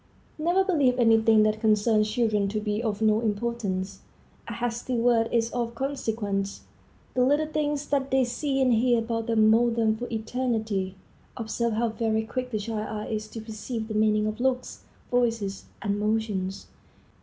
Never believe any thing that concerns children to be of no importance. A hasty word is of consequence. The little things that they see and hear about them mold them for eternity. Observe how very quick the child's eye is to perceive the meaning of looks, voices, and motions.